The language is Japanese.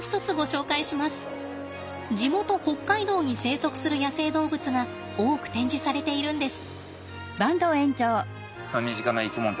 地元北海道に生息する野生動物が多く展示されているんです。